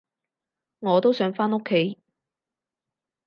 我都想返屋企